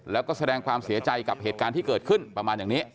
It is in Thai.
แล้วก็แสดงความเสียใจกับเหตุการณ์ที่เกิดขึ้นประมาณอย่างนี้